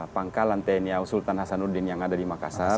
pangkalan tni au sultan hasanuddin yang ada di makassar